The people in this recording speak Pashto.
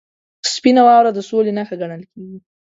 • سپینه واوره د سولې نښه ګڼل کېږي.